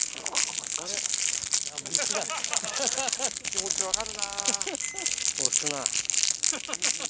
気持ち分かるな。